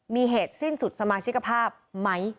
มีเหตุสิ้นสุดสมาชิกภาพไหม